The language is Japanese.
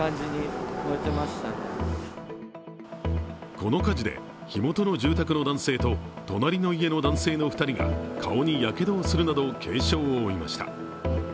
この火事で、火元の住宅の男性と隣の家の男性２人が顔にやけどをするなど軽傷を負いました。